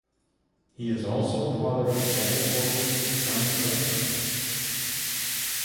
He is also the father of jazz vocalist Carmen Bradford.